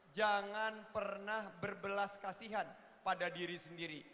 jangan pernah berbelas kasihan pada diri sendiri